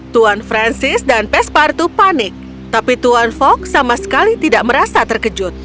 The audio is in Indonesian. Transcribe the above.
tuan francis dan pespartu panik tapi tuan fok sama sekali tidak merasa terkejut